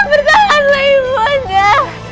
tidak tidak ibu nda